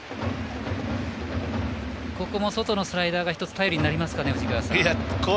ここも外のスライダーが１つ頼りになりますか、藤川さん。